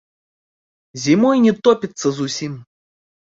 Зімой не топіцца зусім.